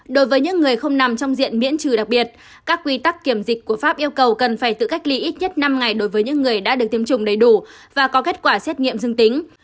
đối với những người không nằm trong diện miễn trừ đặc biệt các quy tắc kiểm dịch của pháp yêu cầu cần phải tự cách ly ít nhất năm ngày đối với những người đã được tiêm chủng đầy đủ và có kết quả xét nghiệm dương tính